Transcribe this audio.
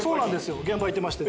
現場行ってまして。